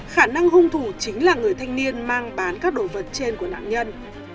khả năng hung thủ chính là người thanh niên mang bán các đồ vật trên của nạn nhân